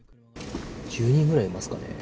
１０人ぐらいいますかね。